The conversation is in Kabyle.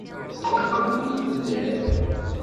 Ẓriɣ wukud telliḍ.